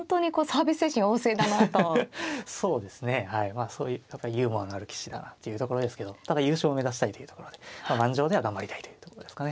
まあそういうやっぱユーモアのある棋士だなっていうところですけどただ優勝を目指したいというところで盤上では頑張りたいというところですかね。